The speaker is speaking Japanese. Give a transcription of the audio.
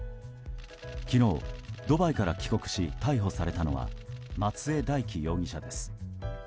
昨日、ドバイから帰国し逮捕されたのは松江大樹容疑者です。